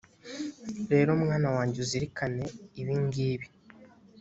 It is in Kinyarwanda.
rero mwana wanjye uzirikane ibingibi